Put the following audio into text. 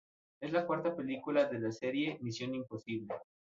Es la cuarta película de la serie "Misión imposible".